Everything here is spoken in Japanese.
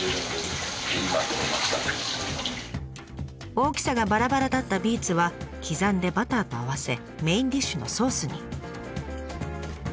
大きさがバラバラだったビーツは刻んでバターと合わせメインディッシュのソースに。